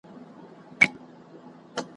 دا یو وصیت لرمه قبلوې یې او که نه ,